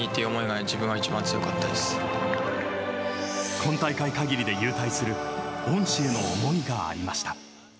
今大会限りで勇退する恩師への思いがありました。